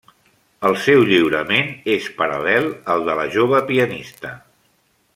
El seu lliurament és paral·lel al de la jove pianista.